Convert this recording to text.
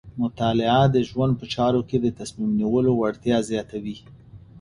مطالعه د ژوند په چارو کې د تصمیم نیولو وړتیا زیاتوي.